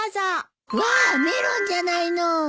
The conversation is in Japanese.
うわメロンじゃないの。